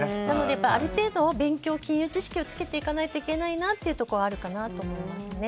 ある程度、勉強金融知識をつけていかないといけないなというところはあるかなと思いますね。